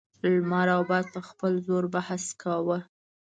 لمر او باد په خپل زور بحث کاوه.